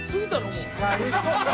もう。